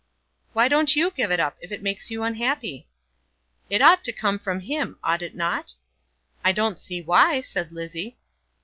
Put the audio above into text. "Why don't you give it up, if it makes you unhappy?" "It ought to come from him, ought it not?" "I don't see why," said Lizzie.